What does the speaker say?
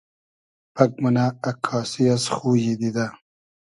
پئگ مونۂ اککاسی از خویی دیدۂ